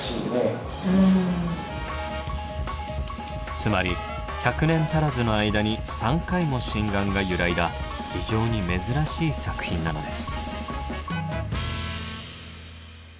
つまり１００年足らずの間に３回も真贋が揺らいだ非常に珍しい作品なのです。